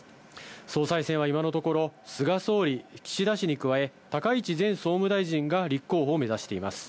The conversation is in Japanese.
総裁選は今のところ、菅総理、岸田氏に加え、高市前総務大臣が立候補を目指しています。